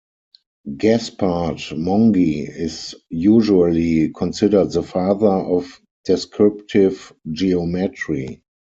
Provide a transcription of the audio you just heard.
Gaspard Monge is usually considered the "father of descriptive geometry".